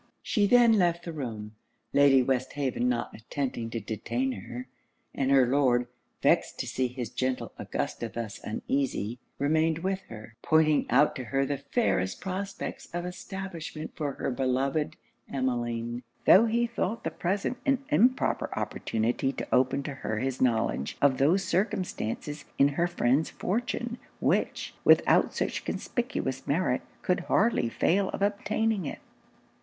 She then left the room, Lady Westhaven not attempting to detain her; and her Lord, vexed to see his gentle Augusta thus uneasy, remained with her, pointing out to her the fairest prospects of establishment for her beloved Emmeline; tho' he thought the present an improper opportunity to open to her his knowledge of those circumstances in her friend's fortune, which, without such conspicuous merit, could hardly fail of obtaining it.